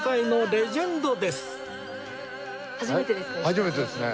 初めてですね。